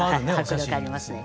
迫力ありますね。